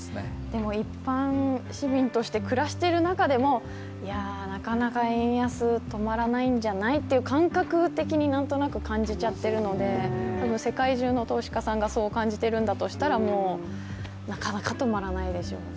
でも、一般市民として暮らしている中でもなかなか円安止まらないんじゃないという感覚的になんとなく感じちゃってるので世界中の投資家さんがそう感じているんだとしたら、なかなか止まらないでしょうね。